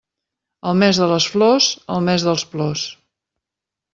El mes de les flors, el mes dels plors.